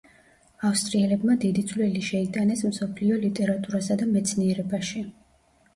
ავსტრიელებმა დიდი წვლილი შეიტანეს მსოფლიო ლიტერატურასა და მეცნიერებაში.